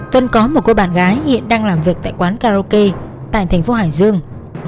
tuân có một cô bạn gái hiện đang làm việc tại quán karaoke tại thành phố hải dương